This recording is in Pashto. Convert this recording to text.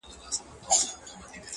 نن یاغي یم له زندانه ځنځیرونه ښخومه؛